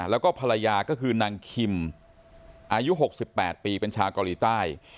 แล้วก็ภรรยาก็คือนางคิมอายุหกสิบแปดปีเป็นชากรีใต้